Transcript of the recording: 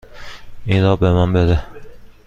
این را به من بده.